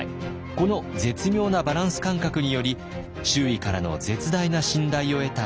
この絶妙なバランス感覚により周囲からの絶大な信頼を得た利勝。